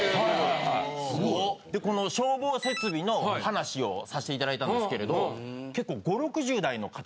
この消防設備の話をさしていただいたんですけれど。